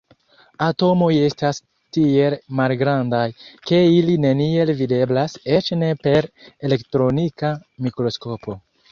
Atomoj estas tiel malgrandaj, ke ili neniel videblas, eĉ ne per elektronika mikroskopo.